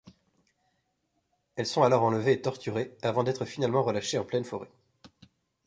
Elles sont alors enlevées et torturées, avant d'être finalement relâchées en pleine forêt.